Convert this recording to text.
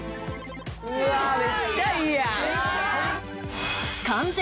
うわめっちゃいいやん！